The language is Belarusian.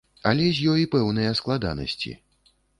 Але з ёй пэўныя складанасці.